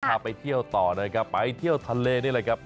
ถ่าไปเที่ยวต่อหน่อยกับไปเที่ยวทะเลนี่นะครับ